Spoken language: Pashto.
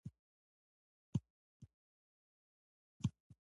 د اقتصادي پرمختګونو له امله زړور او مست کړل.